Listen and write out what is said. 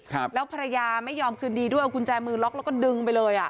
ครับแล้วภรรยาไม่ยอมคืนดีด้วยเอากุญแจมือล็อกแล้วก็ดึงไปเลยอ่ะ